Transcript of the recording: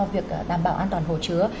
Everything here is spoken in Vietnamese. việc đảm bảo an toàn hồ chứa